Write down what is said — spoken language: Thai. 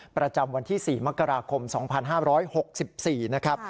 ประจำวันที่๔มกราคม๒๕๖๔นะครับ